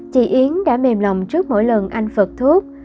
chị yến đã mềm lòng trước mỗi lần anh phật thuốc